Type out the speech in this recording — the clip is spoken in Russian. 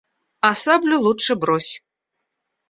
– А саблю лучше брось.